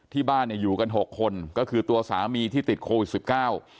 ที่บ้านเนี่ยอยู่กันหกคนก็คือตัวสามีที่ติดโควิดสิบเก้า